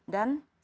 dan saya selalu